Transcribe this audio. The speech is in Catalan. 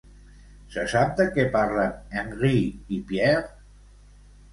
Se sap de què parlen Henri i Pierre?